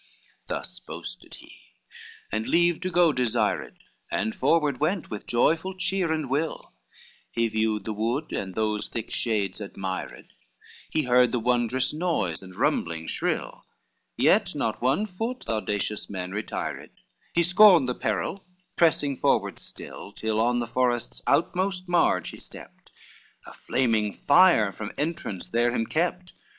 XXVI Thus boasted he, and leave to go desired, And forward went with joyful cheer and will, He viewed the wood and those thick shades admired, He heard the wondrous noise and rumbling shrill; Yet not one foot the audacious man retired, He scorned the peril, pressing forward still, Till on the forest's outmost marge he stepped, A flaming fire from entrance there him kept.